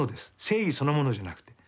正義そのものじゃなくて。